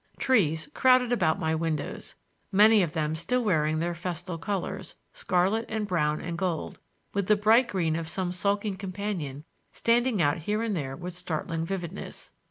Trees crowded about my windows, many of them still wearing their festal colors, scarlet and brown and gold, with the bright green of some sulking companion standing out here and there with startling vividness.